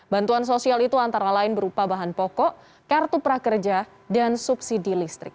bantuan sosial itu antara lain berupa bahan pokok kartu prakerja dan subsidi listrik